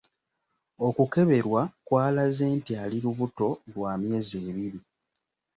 Okukeberwa kwalaze nti ali lubuto lwa myezi ebiri.